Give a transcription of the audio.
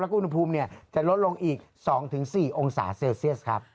อุณหภูมิจะลดลงอีก๒๔องศาเซลเซียสครับ